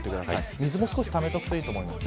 水も少しためておくといいと思います。